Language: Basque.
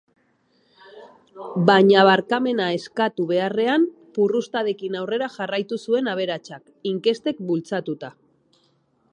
Baina barkamena eskatu beharrean, purrustadekin aurrera jarraitu zuen aberatsak, inkestek bultzatuta.